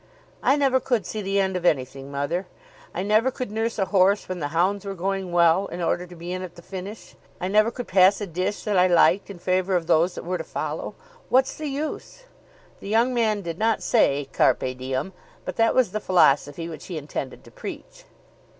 "I never could see the end of anything, mother. I never could nurse a horse when the hounds were going well in order to be in at the finish. I never could pass a dish that I liked in favour of those that were to follow. What's the use?" The young man did not say "carpe diem," but that was the philosophy which he intended to preach.